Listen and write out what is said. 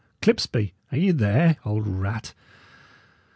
Clipsby, are ye there, old rat?